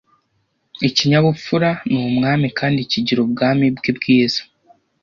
ikinyabupfura ni umwami kandi kigira ubwami bwe bwiza